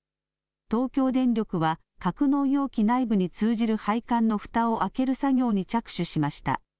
東京電力は格納容器内部に通じる配管のふたを開ける作業に着手しました。